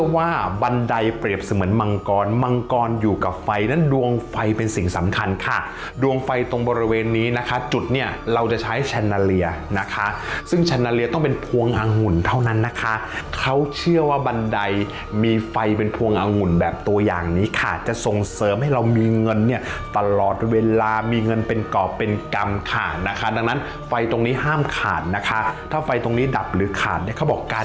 ว่าบันไดเปรียบเสมือนมังกรมังกรอยู่กับไฟด้านดวงไฟเป็นสิ่งสำคัญค่ะดวงไฟตรงบริเวณนี้นะคะจุดเนี่ยเราจะใช้แชนนาเลียนะคะซึ่งแชนนาเลียต้องเป็นพวงอังหุ่นเท่านั้นนะคะเขาเชื่อว่าบันไดมีไฟเป็นพวงอังหุ่นแบบตัวอย่างนี้ค่ะจะทรงเสริมให้เรามีเงินเนี่ยตลอดเวลามีเงินเป็นกรอบเป็นก